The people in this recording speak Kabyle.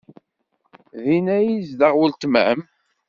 Din ay tezdeɣ weltma-m?